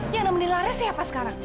yang nemenin lara siapa sekarang